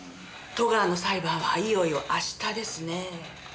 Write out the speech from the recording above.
戸川の裁判はいよいよ明日ですね。